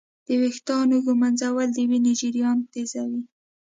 د ویښتانو ږمنځول د وینې جریان تېزوي.